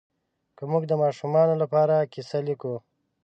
که موږ د ماشومانو لپاره کیسه لیکو